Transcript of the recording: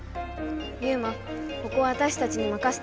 ユウマここはわたしたちにまかせて。